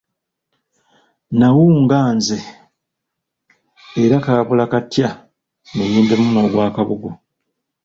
Nnawunga nze era kaabula katya neeyimbemu n'ogwa kabugu!